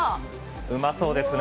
うまそうですね。